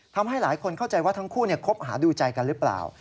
ทำให้หลายคนเข้าใจว่าทั้งคู่คบหาดูใจกันหรือเปล่า